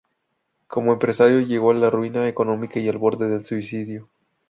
Como empresario llegó a la ruina económica y al borde del suicidio.